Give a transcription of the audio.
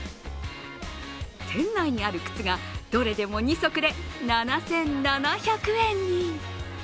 店内にある靴がどれでも２足で７７００円に。